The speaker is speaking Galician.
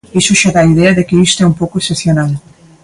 Iso xa dá idea de que isto é un pouco excepcional.